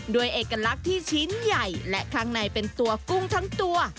เอกลักษณ์ที่ชิ้นใหญ่และข้างในเป็นตัวกุ้งทั้งตัว